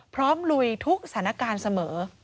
ลุยทุกสถานการณ์เสมอ